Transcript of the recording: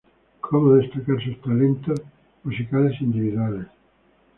Como destacar sus talentos musicales individuales.